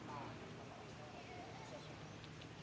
เมื่อเวลาเมื่อเวลา